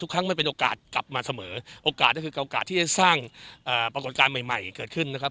ครั้งมันเป็นโอกาสกลับมาเสมอโอกาสก็คือโอกาสที่จะสร้างปรากฏการณ์ใหม่เกิดขึ้นนะครับ